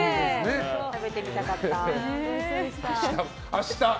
食べてみたかった。